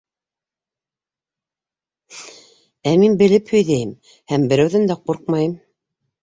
Ә мин белеп һөйҙәйем һәм берәүҙән дә ҡурҡмайым!